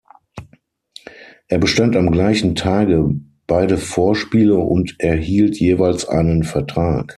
Er bestand am gleichen Tage beide Vorspiele und erhielt jeweils einen Vertrag.